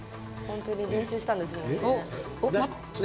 ホントに練習したんですもんね。